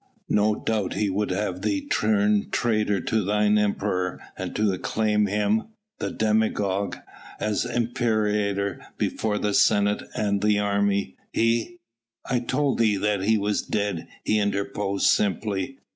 "No doubt he would have thee turn traitor to thine Emperor and to acclaim him the demagogue as imperator before the Senate and the army. He " "I told thee that He was dead," he interposed simply.